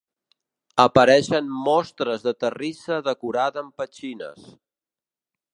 Apareixen mostres de terrissa decorada amb petxines.